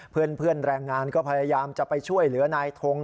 เพื่อนแรงงานก็พยายามจะไปช่วยเหลือนายทง